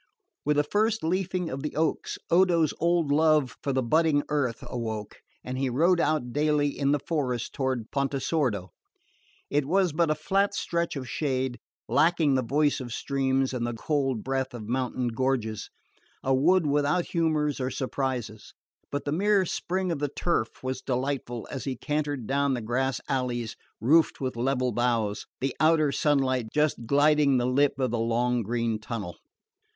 With the first leafing of the oaks Odo's old love for the budding earth awoke, and he rode out daily in the forest toward Pontesordo. It was but a flat stretch of shade, lacking the voice of streams and the cold breath of mountain gorges: a wood without humours or surprises; but the mere spring of the turf was delightful as he cantered down the grass alleys roofed with level boughs, the outer sunlight just gilding the lip of the long green tunnel.